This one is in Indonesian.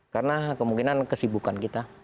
karena kemungkinan kesibukan kita